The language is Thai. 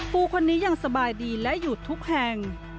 ปูคนนี้ยังสบายดีและหยุดทุกแห่ง